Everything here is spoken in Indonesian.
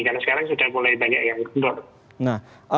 karena sekarang sudah mulai banyak yang kendor